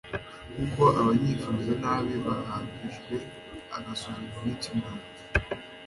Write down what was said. kuko abanyifuriza nabi bahagijwe agasuzuguro n’ikimwaro